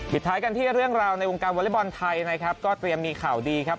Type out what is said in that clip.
ท้ายกันที่เรื่องราวในวงการวอเล็กบอลไทยนะครับก็เตรียมมีข่าวดีครับ